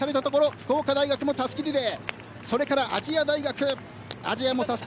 福岡大学もたすきリレー。